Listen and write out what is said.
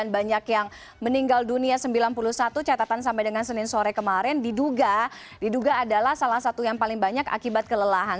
banyak yang meninggal dunia sembilan puluh satu catatan sampai dengan senin sore kemarin diduga adalah salah satu yang paling banyak akibat kelelahan